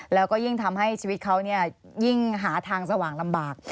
แล้วก็ยิ่งทำให้ชีวิตเขายิ่งหาทางสว่างลำบาก